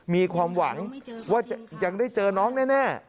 มีความหวังว่าจะยังได้เจอน้องแน่